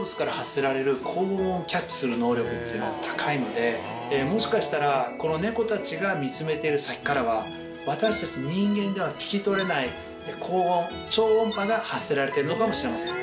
する能力っていうのが高いのでもしかしたらこの猫たちが見つめている先からは私たち人間が聞き取れない高音超音波が発せられてるのかもしれません。